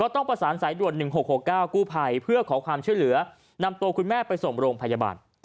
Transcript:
ต้องประสานสายด่วน๑๖๖๙กู้ภัยเพื่อขอความช่วยเหลือนำตัวคุณแม่ไปส่งโรงพยาบาล